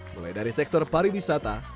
mulai dari sektor pariwisata